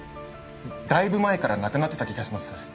だいぶ前からなくなってた気がします。